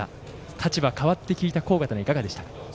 立場変わって聞いた校歌はいかがでしたか？